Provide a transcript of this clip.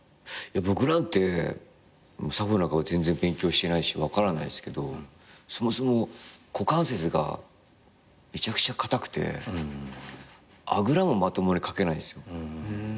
僕なんて作法なんか全然勉強してないし分からないですけどそもそも股関節がめちゃくちゃかたくてあぐらもまともにかけないんですよ。